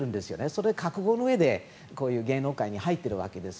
それは覚悟のうえでこういう芸能界に入っているわけです。